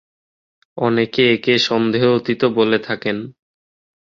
অনেকে একে "সন্দেহ অতীত"ও বলে থাকেন।